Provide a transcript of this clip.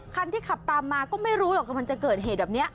คันที่ขับตามมาก็ไม่รู้หรอกว่ามันจะเกิดเหตุแบบนี้